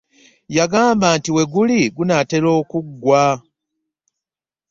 Yagambye nti we guli gunaatera okuggwa.